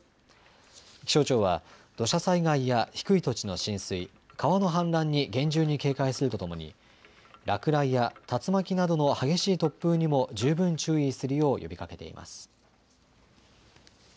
気象庁は土砂災害や低い土地の浸水、川の氾濫に厳重に警戒するとともに落雷や竜巻などの激しい突風にも十分注意するよう呼びかけています。